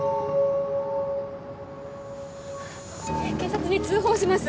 警察に通報します。